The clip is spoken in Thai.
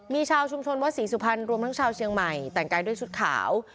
มีชาวชุมชนวัดศรีสุพรรณรวมทั้งชาวเชียงใหม่แต่งกายด้วยชุดขาว